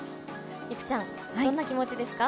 いくちゃん、どんな気持ちですか？